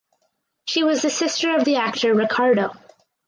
She was the sister of the actor Ricardo.